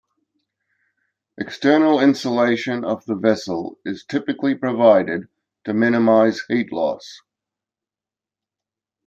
External insulation of the vessel is typically provided to minimize heat loss.